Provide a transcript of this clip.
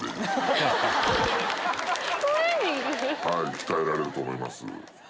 鍛えられると思います。